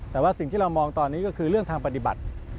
แต่ว่าสิ่งที่เรามองตอนนี้ก็คือเรื่องทางปฏิบัติ